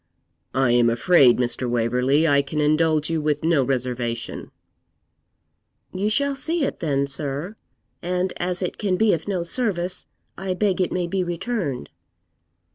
'I am afraid, Mr. Waverley, I can indulge you with no reservation,' 'You shall see it then, sir; and as it can be of no service, I beg it may be returned.'